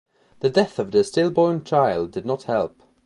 The death of their stillborn child did not help.